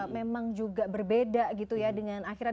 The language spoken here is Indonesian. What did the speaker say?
memang juga berbeda gitu ya dengan akhirat